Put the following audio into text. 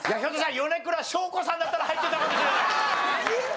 米倉しょう子さんだったら入ってたかもしれない。